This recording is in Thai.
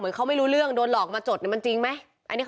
เขาไม่รู้เรื่องโดนหลอกมาจดมันจริงไหม